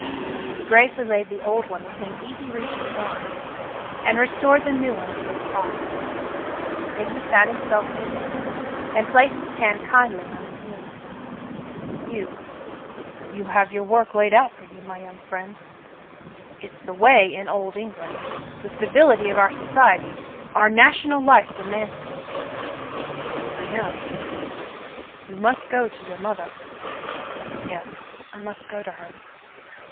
He gravely laid the old one within easy reach of his arm and restored the new one to its box. Then he sat himself near David and placed his hand kindly on his knee. "You — you have your work laid out for you, my young friend. It's the way in Old England. The stability of our society — our national life demands it." "I know." News from England 221 "You must go to your mother." Yes, I must go to her."